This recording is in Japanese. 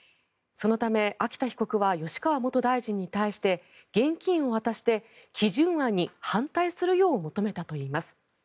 そのため秋田被告は吉川元大臣に対して現金を渡して基準案に反対するよう求めたといいます。